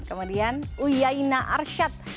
kemudian uyaina arsyad